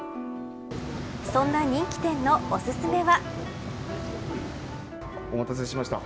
そんな人気店のおすすめは。